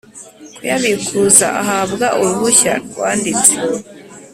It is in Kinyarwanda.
Kuyabikuza ahabwa uruhushya rwanditse